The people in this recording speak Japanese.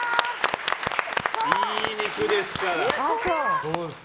いい肉ですから。